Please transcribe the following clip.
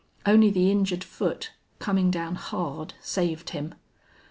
Only the injured foot, coming down hard, saved him.